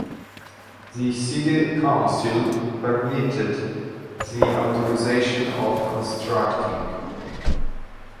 The City Council permitted the authorization of constructing.